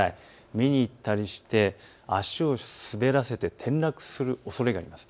見に行ったりして足を滑らせて転落するおそれがあります。